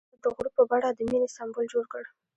هغه د غروب په بڼه د مینې سمبول جوړ کړ.